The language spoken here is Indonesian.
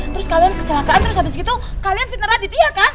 terus kalian kecelakaan terus abis itu kalian fitnah radit iya kan